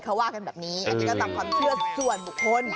เขาว่ากันแบบนี้อันนี้ก็ตามความเชื่อส่วนบุคคล